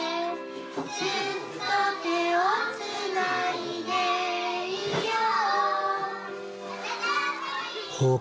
「ずっと手をつないでいよう」